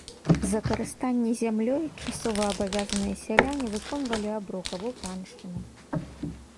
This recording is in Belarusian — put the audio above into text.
За карыстанне зямлёй часоваабавязаныя сяляне выконвалі аброк або паншчыну.